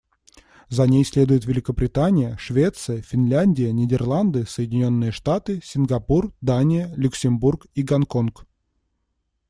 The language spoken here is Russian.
За ней следуют Великобритания, Швеция, Финляндия, Нидерланды, Соединённые Штаты, Сингапур, Дания, Люксембург и Гонконг.